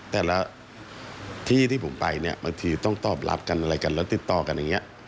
แต่ละที่ที่ผมไปเนี่ยบางทีต้องตอบรับกันอะไรกันแล้วติดต่อกันอย่างนี้